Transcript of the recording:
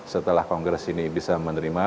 setelah kongres ini bisa menerima